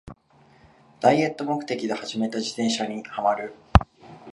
ダイエット目的で始めた自転車にハマる